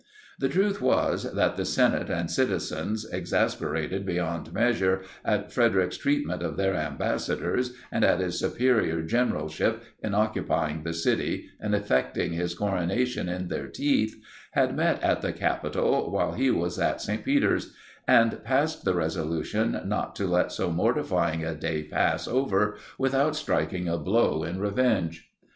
The truth was, that the senate and citizens, exasperated beyond measure at Frederic's treatment of their ambassadors, and at his superior generalship in occupying the city and effecting his coronation in their teeth, had met at the Capitol while he was at St. Peter's; and passed the resolution not to let so mortifying a day pass over without striking a blow in revenge.